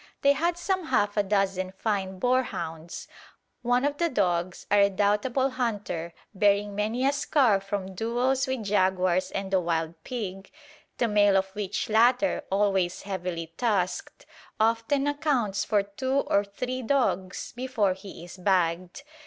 They had some half a dozen fine boarhounds, one of the dogs, a redoubtable hunter, bearing many a scar from duels with jaguars and the wild pig, the male of which latter, always heavily tusked, often accounts for two or three dogs before he is bagged.